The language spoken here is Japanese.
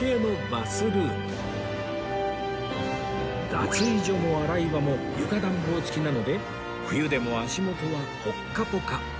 脱衣所も洗い場も床暖房付きなので冬でも足元はポッカポカ